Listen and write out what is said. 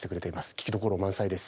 聴きどころ満載です。